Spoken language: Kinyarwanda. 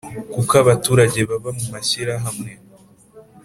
kuko abaturage babaga mu mashyirahamwe